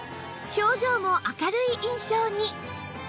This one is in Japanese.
表情も明るい印象に